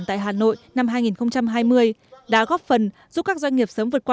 các sản phẩm thủy sản tại hà nội năm hai nghìn hai mươi đã góp phần giúp các doanh nghiệp sớm vượt qua